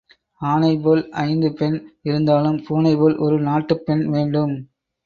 ஆனை போல் ஐந்து பெண் இருந்தாலும் பூனை போல் ஒரு நாட்டுப் பெண் வேண்டும்.